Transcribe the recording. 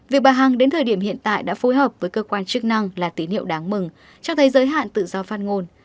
việc bà hằng đến thời điểm hiện tại đã phối hợp với cơ quan chức năng là tín hiệu đáng mừng cho thấy giới hạn tự do phát ngôn